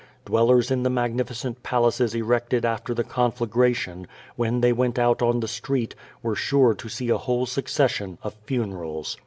Dwell ers in the magnificent palaces erected after the conflagration, when they went out on the street, were sure to see a Jrhole succession of funerals.